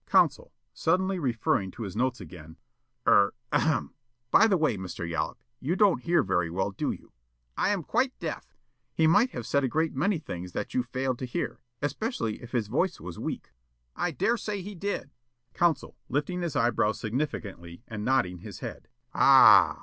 Counsel, suddenly referring to his notes again: "Er ahem! By the way, Mr. Yollop, you don't hear very well, do you?" Yollop: "I am quite deaf." Counsel: "He might have said a great many things that you failed to hear, especially if his voice was weak?" Yollop: "I dare say he did." Counsel, lifting his eyebrows significantly and nodding his head: "Ah h h!